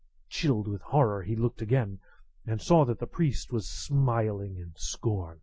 Chilled with horror, he looked again, and saw that the priest was smiling in scorn.